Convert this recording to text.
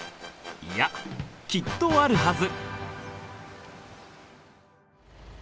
いやきっとあるはず！